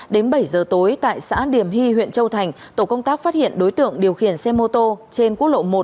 đến bảy giờ tối tại xã điểm hy huyện châu thành tổ công tác phát hiện đối tượng điều khiển xe mô tô trên quốc lộ một